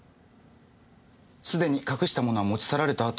すでに隠したものは持ち去られたあと。